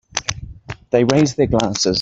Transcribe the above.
They raise their glasses.